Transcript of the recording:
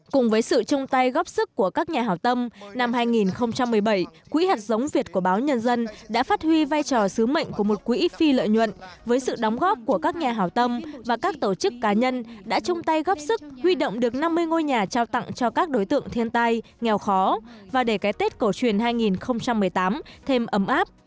cùng với sự chung tay góp sức của các nhà hào tâm năm hai nghìn một mươi bảy quỹ hạt giống việt của báo nhân dân đã phát huy vai trò sứ mệnh của một quỹ phi lợi nhuận với sự đóng góp của các nhà hào tâm và các tổ chức cá nhân đã chung tay góp sức huy động được năm mươi ngôi nhà trao tặng cho các đối tượng thiên tai nghèo khó và để cái tết cổ truyền hai nghìn một mươi tám thêm ấm áp